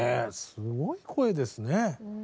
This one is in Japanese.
すごい声ですね。